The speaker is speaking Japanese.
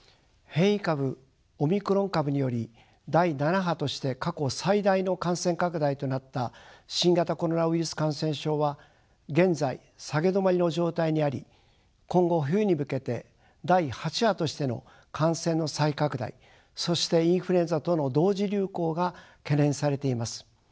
変異株オミクロン株により第７波として過去最大の感染拡大となった新型コロナウイルス感染症は現在下げ止まりの状態にあり今後冬に向けて第８波としての感染の再拡大そしてインフルエンザとの同時流行が懸念されています。